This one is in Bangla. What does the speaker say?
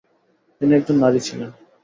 তিনি একজন নারী ছিলেন।